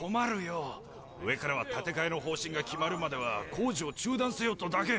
上からは建て替えの方針が決まるまでは工事を中断せよとだけ。